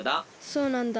そうなんだ。